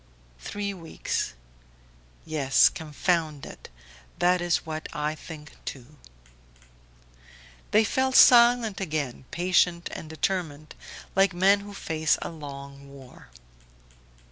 "Three weeks ... Yes, confound it! That is what I think too." They fell silent again, patient and determined, like men who face a long war.